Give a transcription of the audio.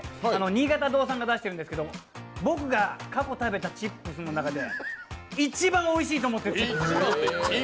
新潟堂さんが出しているんですけれども、僕が過去食べたチップスの中で一番おいしいと思っている。